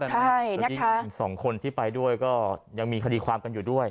ช่องทางธรรมชาติสองคนที่ไปด้วยก็ยังมีคดีความกันอยู่ด้วย